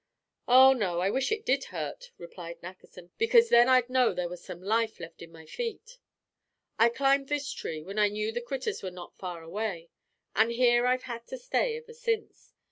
"Oh, no; I wish it did hurt," replied Nackerson, "because then I'd know there was some life left in my feet. I climbed this tree when I knew the critters were not far away. And here I've had to stay ever since.